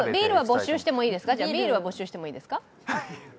ビールは没収してもいいですか？